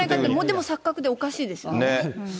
でも錯覚でおかしいですよね。